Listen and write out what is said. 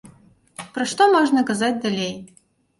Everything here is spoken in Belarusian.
Пра што можна казаць далей?